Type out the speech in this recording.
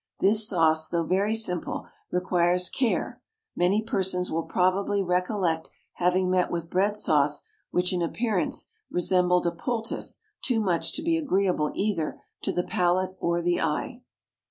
This sauce, though very simple, requires care: Many persons will probably recollect having met with bread sauce which in appearance resembled a poultice too much to be agreeable either to the palate or the eye.